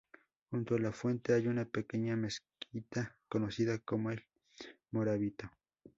Junto a la fuente hay una pequeña mezquita conocida como El Morabito.